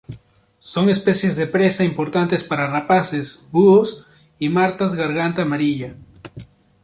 Son especies de presa importantes para rapaces, búhos y martas garganta amarilla.